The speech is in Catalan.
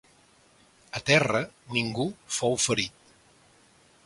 A terra ningú fou ferit.